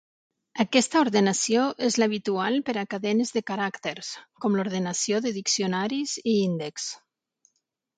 Aquesta ordenació és l'habitual per a cadenes de caràcters, com l'ordenació de diccionaris i índexs.